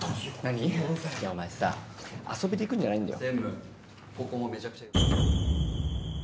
いやお前さ遊びで行くんじゃないんだよ。